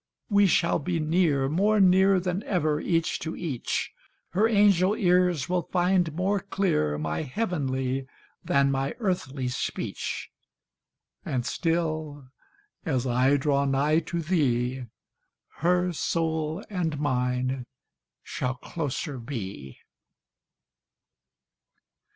We shall be near, More near than ever, each to each: Her angel ears will find more clear My heavenly than my earthly speech; And still, as I draw nigh to thee, Her soul and mine shall closer be.